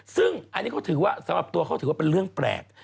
ซึ่งอันนี้เขาถือว่าสำหรับตัวเขาถือว่าเป็นเรื่องแปลก